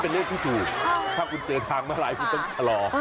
เป็นเลขที่ถูกถ้าคุณเจอทางเมื่อไหร่คุณต้องชะลอ